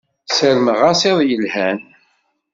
Sarmeɣ-as iḍ yelhan.